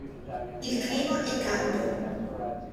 Il clima è caldo.